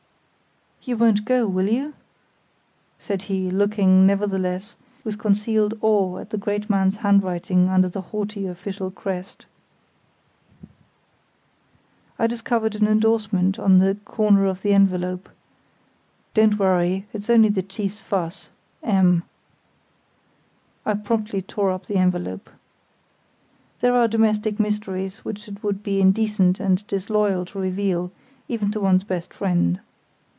"You won't go, will you?" said he, looking, nevertheless, with unconcealed awe at the great man's handwriting under the haughty official crest. Meanwhile I discovered an endorsement on a corner of the envelope: "Don't worry; it's only the chief's fuss.—M——" I promptly tore up the envelope. There are domestic mysteries which it would be indecent and disloyal to reveal, even to one's best friend.